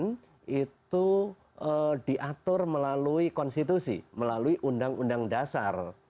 kemudian itu diatur melalui konstitusi melalui undang undang dasar